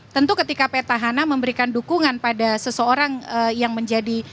tentu ketika petahana memberikan dukungan pada seseorang yang menjadi